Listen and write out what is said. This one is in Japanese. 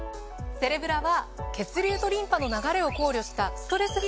セレブラは血流とリンパの流れを考慮したストレス